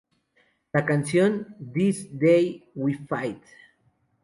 La canción This Day We Fight!